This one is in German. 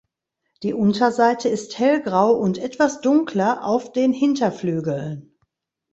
Die Unterseite ist hellgrau und etwas dunkler auf den Hinterflügeln.